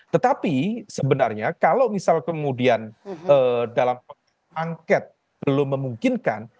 tetapi sebenarnya kalau misal kemudian dalam angket belum memungkinkan